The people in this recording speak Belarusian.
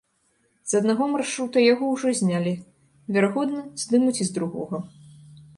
З аднаго маршрута яго ўжо знялі, верагодна, здымуць і з другога.